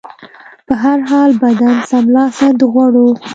په هر حال، بدن سمدلاسه د غوړو